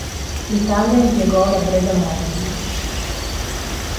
L'Italia impiegò la Breda Mod.